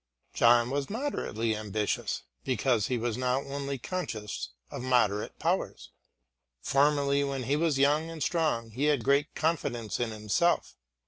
John was moderately ambitious, because he was now only conscious of moderate powers. Formerly when he was young and strong he had great confidence in himself.